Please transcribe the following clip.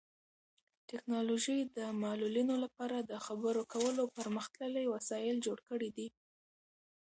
ټیکنالوژي د معلولینو لپاره د خبرو کولو پرمختللي وسایل جوړ کړي دي.